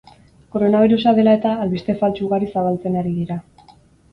Koronabirusa dela eta, albiste faltsu ugari zabaltzen ari dira.